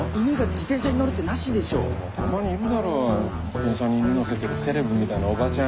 自転車に犬乗せてるセレブみたいなおばちゃん。